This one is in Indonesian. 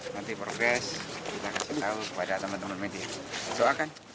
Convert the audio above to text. nanti progress kita kasih tahu kepada teman teman media